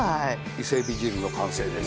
伊勢エビ汁の完成です。